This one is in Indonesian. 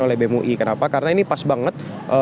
oleh bemui kenapa karena ini pas banget